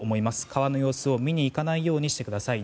川の様子を見に行かないようにしてください。